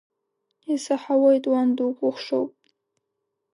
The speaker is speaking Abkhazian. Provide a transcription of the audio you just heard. Исаҳауеит, уан дукәыхшоуп…